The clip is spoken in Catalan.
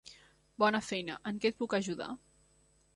Bona feina. En què et puc ajudar?